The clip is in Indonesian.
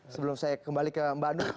sebelum saya kembali ke mbak anu